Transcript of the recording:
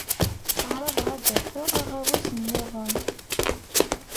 Tteɛṛaḍeɣ ad d-afeɣ aɣawas-nniḍen.